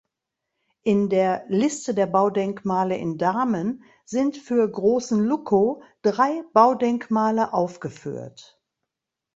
In der "Liste der Baudenkmale in Dahmen" sind für Großen Luckow drei Baudenkmale aufgeführt.